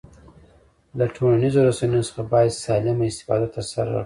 له ټولنیزو رسنیو څخه باید سالمه استفاده ترسره وکړو